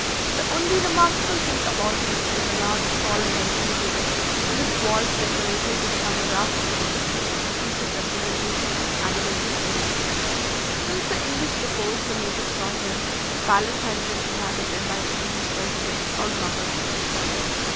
The only remarkable thing about it is a large hall in the interior, with its walls decorated with some rough and stiffly executed representations of animals in relief. Since the English deposed the native sovereign, the palace has been inhabited by the English resident, or governor.